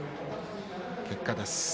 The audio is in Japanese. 結果です。